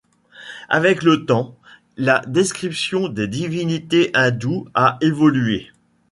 Avec le temps, la description des divinités hindoues a évolué.